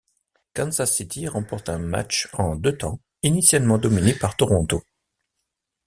Kansas City remporte un match en deux temps, initialement dominé par Toronto.